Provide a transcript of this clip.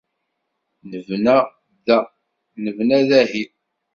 Nebna da. Nebna dahi.